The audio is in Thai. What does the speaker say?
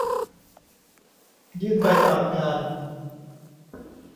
ยื่นใบสมัครงาน